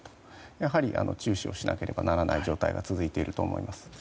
やはり、注視しなければならない状態が続いていると思います。